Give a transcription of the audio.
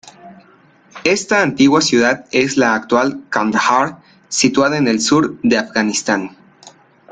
Esta antigua ciudad es la actual Kandahar, situada en el sur de Afganistán.